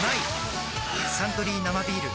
「サントリー生ビール」